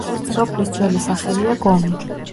სოფლის ძველი სახელია გომი.